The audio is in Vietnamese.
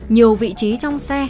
nhiều vị trí trong xe